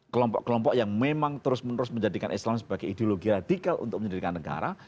kelompok kelompok yang memang terus menerus menjadikan islam sebagai ideologi radikal untuk menjadikan negara